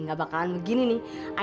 gak bakalan begini nih